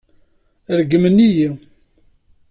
Regmen-iyi.